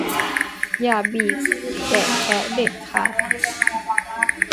อย่าบีบแกะแคะเด็ดขาด